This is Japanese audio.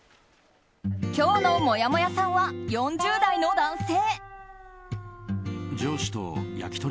今日のもやもやさんは４０代の男性。